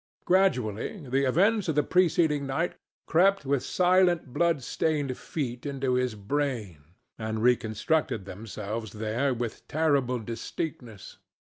Gradually the events of the preceding night crept with silent, blood stained feet into his brain and reconstructed themselves there with terrible distinctness.